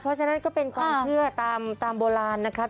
เพราะฉะนั้นก็เป็นความเชื่อตามโบราณนะครับ